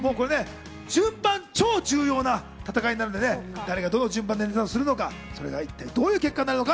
順番、超重要な戦いになるんで、誰がどんな順番で挑戦するのか、どういう結果になるのか？